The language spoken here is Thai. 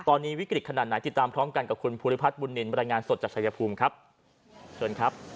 ตอนนี้วิกฤตขนาดไหนติดตามพร้อมกันกับคุณพูริพัฒน์บุรณินบรรยงานสดจากชายภูมิ